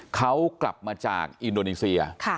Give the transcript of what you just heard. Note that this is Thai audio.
เขากลับมาจากอินโดนีเซีย